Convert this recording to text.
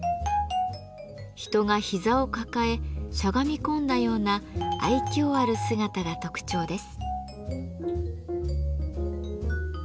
人が膝を抱えしゃがみ込んだような愛嬌ある姿が特徴です。